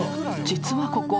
実はここ］